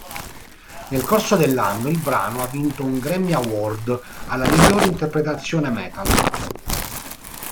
Nel corso dell'anno il brano ha vinto un Grammy Award alla miglior interpretazione metal.